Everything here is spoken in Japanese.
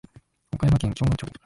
岡山県鏡野町